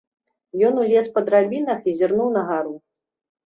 Ён узлез па драбінах і зірнуў на гару.